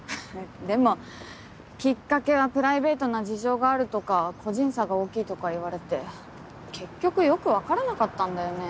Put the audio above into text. でもきっかけはプライベートな事情があるとか個人差が大きいとか言われて結局よく分からなかったんだよね。